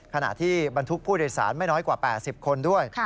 ขณะที่บรรทุกผู้โดยสารไม่น้อยกว่า๘๐คนด้วย